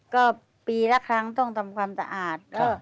ก็ปีละครั้งต้องทำความสะอาด